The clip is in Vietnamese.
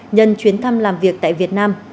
nhân chuyến thăm làm việc tại việt nam